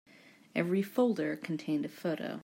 Every folder contained a photo.